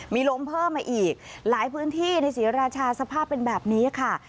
มีลมเพิ่มมาอีกหลายพื้นที่ในศรีราชาสภาพเป็นแบบนี้ค่ะ